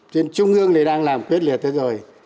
trên trung ương này đang làm quyết liệt thế rồi